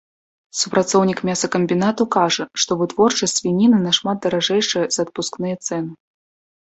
Супрацоўнік мясакамбінату кажа, што вытворчасць свініны нашмат даражэйшая за адпускныя цэны.